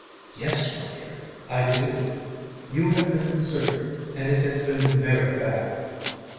"Yes, my dear, I do. You have been deserted, and it has been very bad."